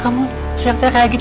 kamu teriak teriak kayak gitu